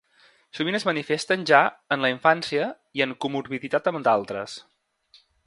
Sovint es manifesten ja en la infància i en comorbiditat amb d'altres.